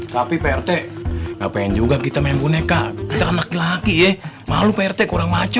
tapi pertek gak pengen juga kita main boneka kita kan laki laki ya malu pak rt kurang maco